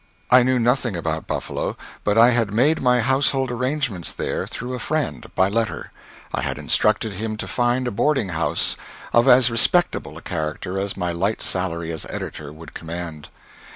I knew nothing about Buffalo, but I had made my household arrangements there through a friend, by letter. I had instructed him to find a boarding house of as respectable a character as my light salary as editor would command.